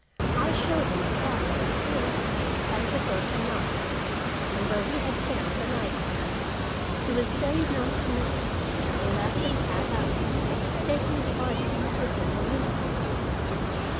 I showed him the towel and the slipper and the broken knife, and where we had found the knife blade. He was very non committal, and left in a half hour, taking the articles with him in a newspaper.